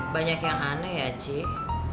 banyak yang aneh ya cik